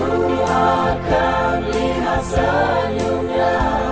ku akan lihat senyumnya